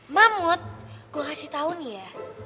mahmud gue kasih tau nih ya